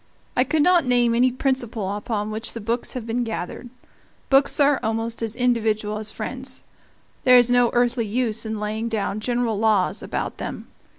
I could not name any principle upon which the books have been gathered. Books are almost as individual as friends. There is no earthly use in laying down general laws about them.